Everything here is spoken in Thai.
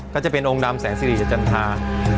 ก็จะเป็นองค์ดำแสงสิริจากจันทรา